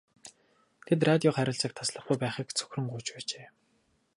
Тэд радио харилцааг таслахгүй байхыг цөхрөн гуйж байжээ.